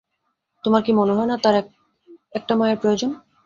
তোমার কি মনে হয় না তার একটা মায়ের প্রয়োজন?